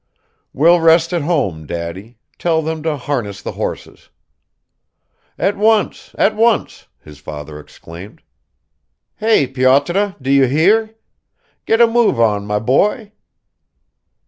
"We'll rest at home, Daddy; tell them to harness the horses." "At once, at once," his father exclaimed. "Hey, Pyotr, do you hear? Get a move on, my boy."